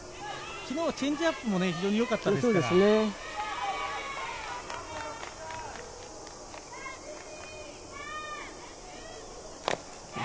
チェンジアップも非常によかったですよね、昨日。